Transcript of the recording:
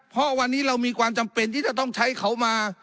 เพราะวันนี้เรามีความจำเป็นที่จะต้องใช้เขามา